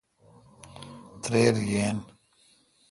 تریر یین۔